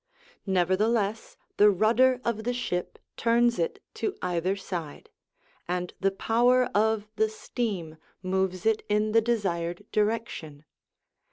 Nevertheless, the rudder of the ship turns it to either side, and the power of the steam moves it in the desired direction.